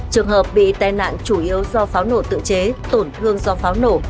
trường hợp bị tai nạn chủ yếu do pháo nổ tự chế tổn thương do pháo nổ